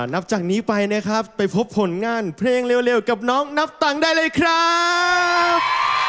นับจากนี้ไปนะครับไปพบผลงานเพลงเร็วกับน้องนับตังค์ได้เลยครับ